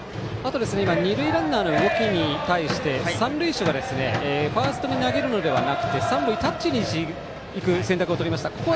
二塁ランナーの動きに対して、三塁手がファーストに投げるのではなくて三塁タッチに行く選択をしました。